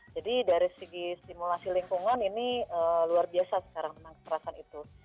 jadi dari segi simulasi lingkungan ini luar biasa sekarang dengan kekerasan itu